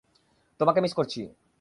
তোমাকে মিস করছি!